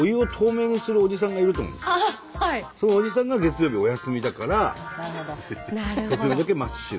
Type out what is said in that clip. そのおじさんが月曜日お休みだから月曜だけ真っ白。